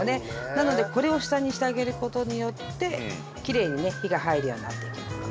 なのでこれを下にしてあげる事によってきれいにね火が入るようになっていきます。